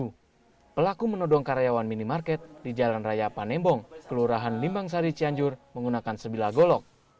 di situ pelaku menodong karyawan minimarket di jalan raya panembong kelurahan limbangsari cianjur menggunakan sebilah golok